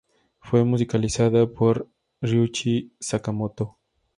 Fue musicalizada por Ryuichi Sakamoto.